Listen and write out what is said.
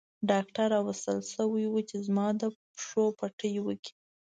ډاکټر راوستل شوی وو چې زما د پښو پټۍ وکړي.